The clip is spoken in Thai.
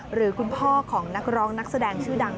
หรือคุณพ่อของนักร้องนักแสดงชื่อดัง